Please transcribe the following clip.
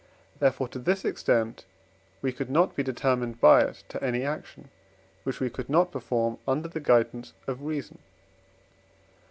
therefore to this extent we could not be determined by it to any action, which we could not perform under the guidance of reason.